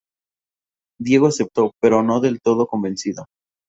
Diego aceptó, pero no del todo convencido.